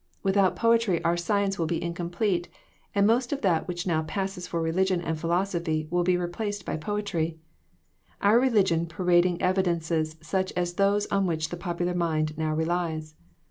Without poetry our science will be incomplete, and most of that which now passes for religion and philosophy will be replaced by poetry Our religion parading evi dences such as those on which the popular mind now relies